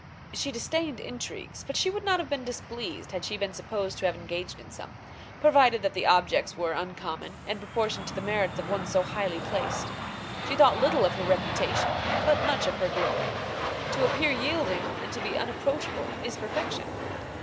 She disdained intrigues; but she would not have been displeased had she been supposed to have engaged in some, provided that the objects were uncommon, and proportioned to the merits of one so highly placed. She thought little of her reputation, but much of her glory. To appear yielding, and to be unapproachable, is perfection.